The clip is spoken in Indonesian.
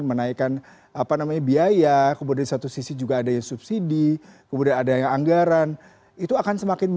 menaikkan apa namanya biaya kemudian di satu sisi juga adanya subsidi kemudian adanya anggaran